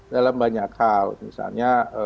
dalam banyak hal misalnya